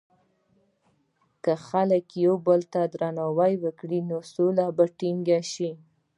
که خلک یو بل ته درناوی وکړي، نو سوله به ټینګه شي.